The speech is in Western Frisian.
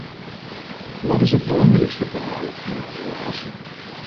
Wat is it belangrykste foar dy yn in relaasje?